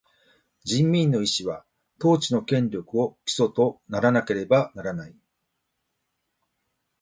人民の意思は、統治の権力を基礎とならなければならない。